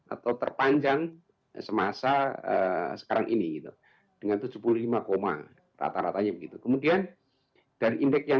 atau terpanjang semasa sekarang ini gitu dengan tujuh puluh lima koma rata ratanya begitu kemudian dari indeks yang